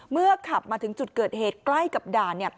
ขับมาถึงจุดเกิดเหตุใกล้กับด่าน